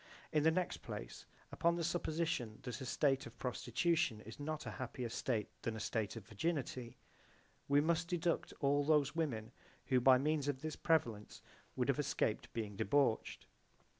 In the next place, upon the supposition that a state of prostitution is not a happier state than a state of virginity, we must deduct all those women who by means of this prevalence would have escaped being debauched.